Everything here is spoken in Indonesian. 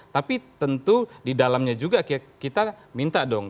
tapi tentu di dalamnya juga kita minta dong